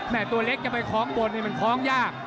แม่ตัวเล็กจะไปค้องบนมันค้องยาก